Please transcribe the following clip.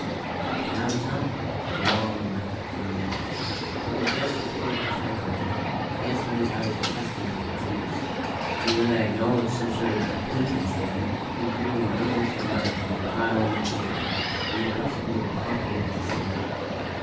I was not long left in doubt. With a gesture toward the type writer, he asked me if I was accustomed to its use; and when I acknowledged some sort of acquaintance with it, he drew an unanswered letter from a pile on the table and requested me to copy it as a sample.